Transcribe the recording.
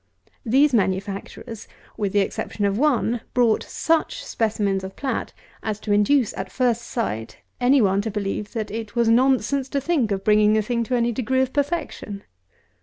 These manufacturers, with the exception of one, brought such specimens of plat as to induce, at first sight, any one to believe that it was nonsense to think of bringing the thing to any degree of perfection!